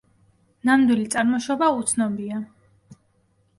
ნამდვილი წარმოშობა უცნობია.